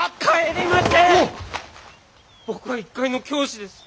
僕は一介の教師です。